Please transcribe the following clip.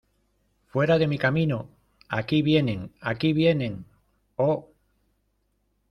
¡ Fuera de mi camino! ¡ aquí vienen !¡ aquí vienen !¡ oh !